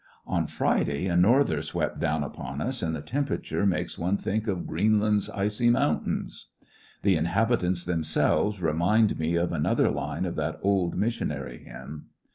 On Friday a norther swept down upon us, and the temperature makes one think of 'Greenland's icy mountains.' The inhabitants themselves remind me of another line of that old missionary hymn.